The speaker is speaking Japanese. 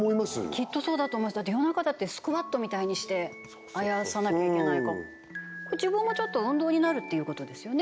きっとそうだと思いますだって夜中だってスクワットみたいにしてあやさなきゃいけないからこれ自分もちょっと運動になるっていうことですよね？